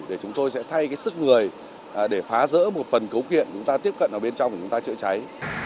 để chúng tôi sẽ thay cái sức người để phá rỡ một phần cấu kiện chúng ta tiếp cận ở bên trong của chúng ta chữa cháy